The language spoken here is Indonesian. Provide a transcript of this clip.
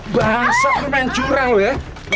bangsa lu main curang lu ya